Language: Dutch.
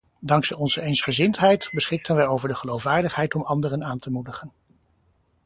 Dankzij onze eensgezindheid beschikten wij over de geloofwaardigheid om anderen aan te moedigen.